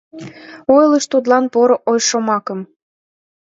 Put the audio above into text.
Ойлыш тудлан поро ой-шомакым: